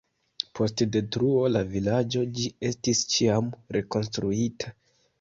Post detruo de la vilaĝo, ĝi estis ĉiam rekonstruita.